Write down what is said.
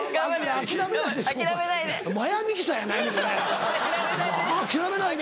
「諦めないで」